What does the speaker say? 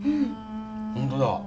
本当だ。